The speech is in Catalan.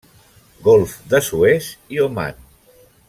Golf de Suez i Oman.